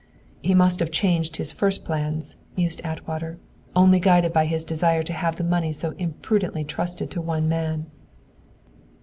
"He must have changed his first plans," mused Atwater, "only guided by his desire to have the money so imprudently trusted to one man."